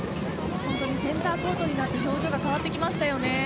センターコートになって表情が変わってきましたよね。